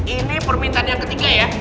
ini permintaan yang ketiga ya